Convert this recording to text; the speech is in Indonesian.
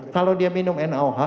kalau dia minum naoh